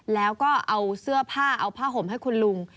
แล้วก็เอาเสื้อผ้าเอาผ้าห่มให้คุณลุง